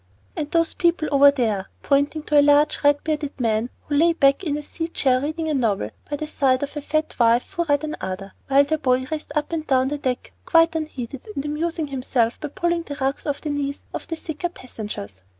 "And those people over there," pointing to a large, red bearded man who lay back in a sea chair reading a novel, by the side of a fat wife who read another, while their little boy raced up and down the deck quite unheeded, and amused himself by pulling the rugs off the knees of the sicker passengers.